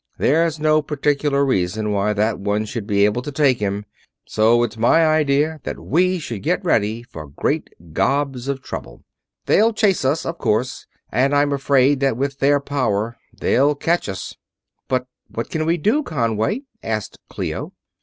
There's no particular reason why that one should be able to take him, so it's my idea that we should get ready for great gobs of trouble. They'll chase us, of course; and I'm afraid that with their power, they'll catch us." "But what can we do, Conway?" asked Clio.